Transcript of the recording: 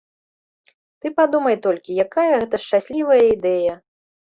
Ты падумай толькі, якая гэта шчаслівая ідэя!